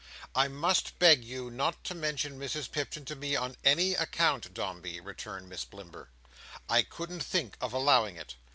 "I must beg you not to mention Mrs Pipchin to me, on any account, Dombey," returned Miss Blimber. "I couldn't think of allowing it.